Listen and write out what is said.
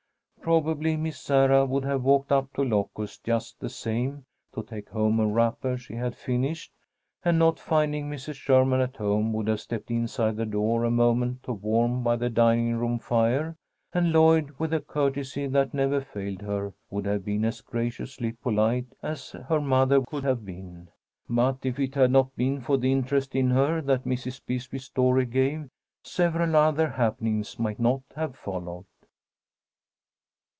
Probably Miss Sarah would have walked up to Locust just the same, to take home a wrapper she had finished, and not finding Mrs. Sherman at home would have stepped inside the door a moment to warm by the dining room fire; and Lloyd, with the courtesy that never failed her, would have been as graciously polite as her mother could have been. But if it had not been for the interest in her that Mrs. Bisbee's story gave, several other happenings might not have followed.